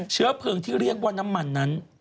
เชื้อเพลิงที่เรียกว่าน้ำมันนั้น